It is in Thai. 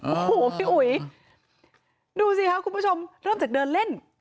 โอ้โหพี่อุ๋ยดูสิค่ะคุณผู้ชมเริ่มจากเดินเล่น